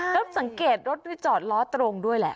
แล้วสังเกตรถที่จอดล้อตรงด้วยแหละ